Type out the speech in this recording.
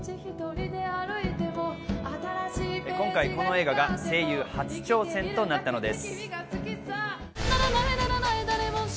今回、この映画が声優初挑戦となったのです。